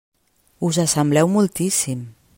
Us assembleu moltíssim.